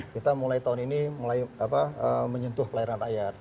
kita mulai tahun ini mulai apa menyentuh pelayaran rakyat